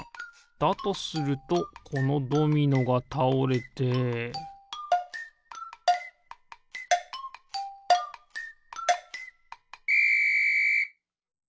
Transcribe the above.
だとするとこのドミノがたおれてピッ！